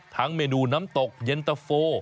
เมนูน้ำตกเย็นตะโฟ